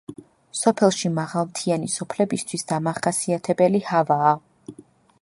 სოფელში მაღალმთიანი სოფლებისთვის დამახასიათებელი ჰავაა.